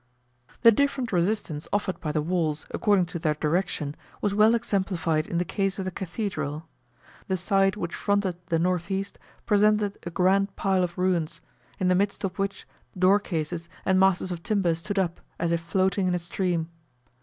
The different resistance offered by the walls, according to their direction, was well exemplified in the case of the Cathedral. The side which fronted the N.E. presented a grand pile of ruins, in the midst of which door cases and masses of timber stood up, as if floating in a stream.